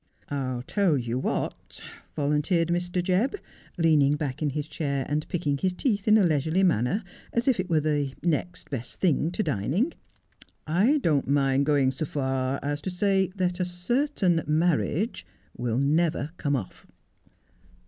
' I'll tell you what,' volunteered Mr. Jebb, leaning back in his chair and picking his teeth in a leisurely manner, as if ii were the next best thing to dining. ' I don't mind going so fai as to say that a certain marriage will never come off.'